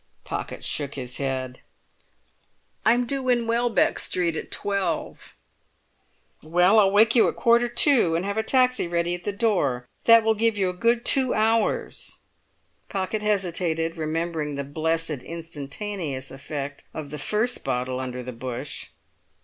Pocket shook his head. "I'm due in Welbeck Street at twelve." "Well, I'll wake you at quarter to, and have a taxi ready at the door. That will give you a good two hours." Pocket hesitated, remembering the blessed instantaneous effect of the first bottle under the bush.